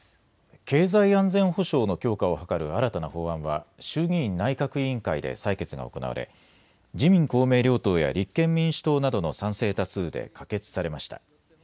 経済安全保障の強化を図る新たな法案は衆議院内閣委員会で採決が行われ自民公明両党や立憲民主党などの賛成多数で可決されました。